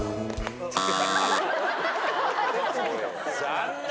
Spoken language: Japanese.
残念。